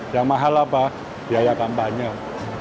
yang mahal apa biayakan banyak